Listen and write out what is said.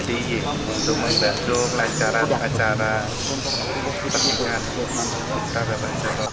d i e untuk membantu pelajaran acara pernikahan